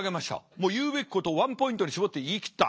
もう言うべきことをワンポイントに絞って言い切った。